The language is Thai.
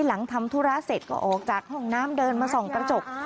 หลังทำธุระเสร็จก็ออกจากห้องน้ำเดินมาส่องกระจก